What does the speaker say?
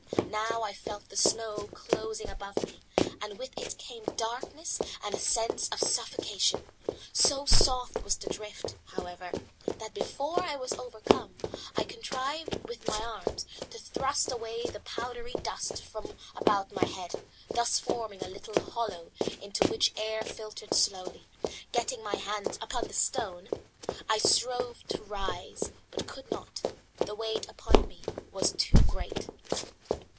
Now I felt the snow closing above me and with it came darkness and a sense of suffocation. So soft was the drift, however, that before I was overcome I contrived with my arms to thrust away the powdery dust from about my head, thus forming a little hollow into which air filtered slowly. Getting my hands upon the stone, I strove to rise, but could not, the weight upon me was too great.